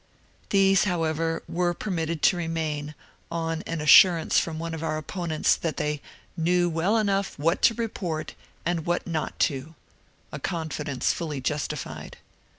These, however, were per mitted to remain on an assurance from one of our opponents that they ^^ knew well enough what to report and what not to," — a confidence fully justified.